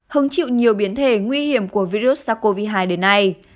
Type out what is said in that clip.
hứng chịu nhiều biến thể nguy hiểm của virus sars cov hai đến nay